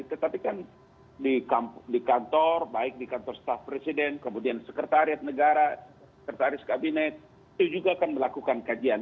tetapi kan di kantor baik di kantor staf presiden kemudian sekretariat negara sekretaris kabinet itu juga akan melakukan kajian